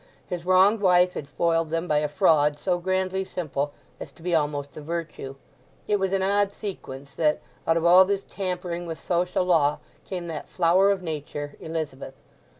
His wronged wife had foiled them by a fraud so grandly simple as to be almost a virtue. It was an odd sequence that out of all this tampering with social law came that flower of Nature, Elizabeth.